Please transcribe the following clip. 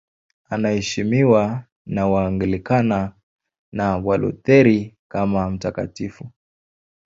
Anaheshimiwa na Waanglikana na Walutheri kama mtakatifu.